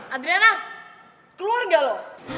adriana keluar gak lo